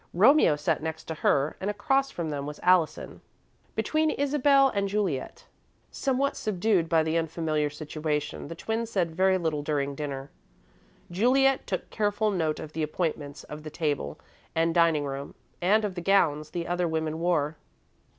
Romeo sat next to her and across from them was Allison, between Isabel and Juliet. Somewhat subdued by the unfamiliar situation, the twins said very little during dinner. Juliet took careful note of the appointments of the table and dining room, and of the gowns the other women wore.